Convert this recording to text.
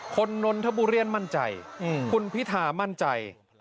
คนนนนทบุเรียนมั่นใจคุณพิทามั่นใจ